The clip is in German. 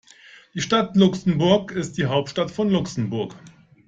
Die Stadt Luxemburg ist die Hauptstadt von Luxemburg.